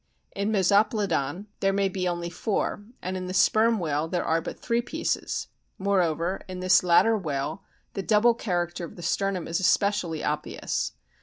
In Meso plodon there may be only four, and in the Sperm whale there are but three pieces ; moreover, in this latter whale the double character of the sternum is especially obvious.